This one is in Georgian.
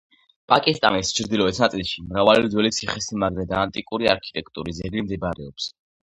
პაკისტანის ჩრდილოეთ ნაწილში მრავალი ძველი ციხესიმაგრე და ანტიკური არქიტექტურის ძეგლი მდებარეობს.